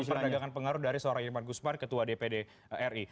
memperdagangkan pengaruh dari seorang irman guzman ketua dpd ri